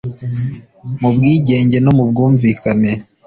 mu bwigenge no mu bwumvikane